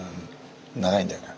長いんだよな。